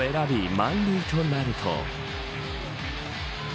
満塁となると。